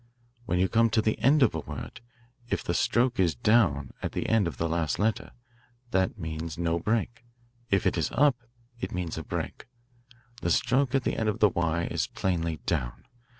"When you come to the end of a word, if the stroke is down at the end of the last letter, that means no break; if it is up, it means a break. The stroke at the end of the 'y' is plainly down.